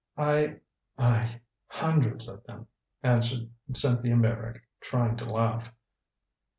"I I hundreds of them," answered Cynthia Meyrick, trying to laugh.